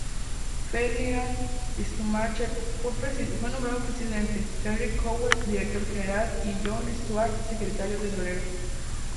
Ferdinand Schumacher fue nombrado presidente, Henry Crowell, Director General y John Stuart Secretario Tesorero.